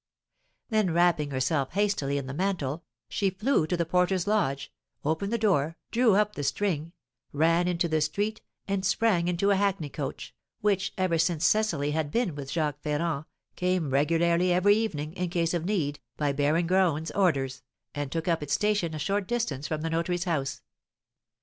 Then wrapping herself hastily in the mantle, she flew to the porter's lodge, opened the door, drew up the string, ran into the street, and sprang into a hackney coach, which, ever since Cecily had been with Jacques Ferrand, came regularly every evening, in case of need, by Baron Graün's orders, and took up its station a short distance from the notary's house.